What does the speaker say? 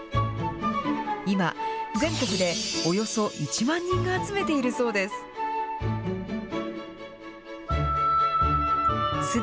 今、全国でおよそ１万人が集めているそうです。